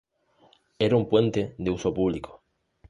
Era un puente de uso público.